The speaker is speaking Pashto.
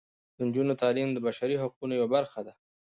د نجونو تعلیم د بشري حقونو یوه برخه ده.